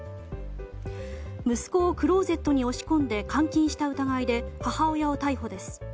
息子をクローゼットに押し込んで監禁した疑いで母親を逮捕です。